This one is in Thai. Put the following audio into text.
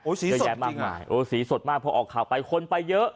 โอ้ยสีสดจริงอ่ะโอ้ยสีสดมากพอออกข่าวไปคนไปเยอะ